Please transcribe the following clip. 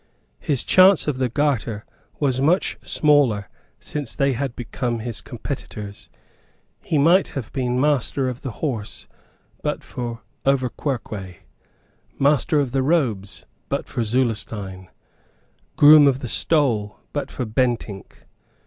His chance of the Garter was much smaller since they had become his competitors. He might have been Master of the Horse but for Auverquerque, Master of the Robes but for Zulestein, Groom of the Stole but for Bentinck.